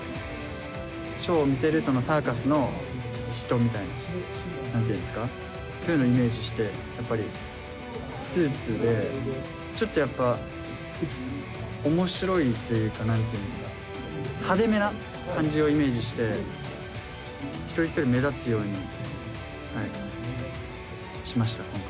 ショーを見せるサーカスの人みたいな何て言うんですかそういうのをイメージしてやっぱりスーツでちょっとやっぱ面白いというか何て言うんだ派手めな感じをイメージして一人一人目立つようにしました今回。